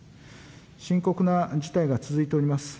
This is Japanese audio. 深刻な事態が続いております。